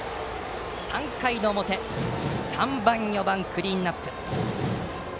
３回の表３番、４番のクリーンナップ。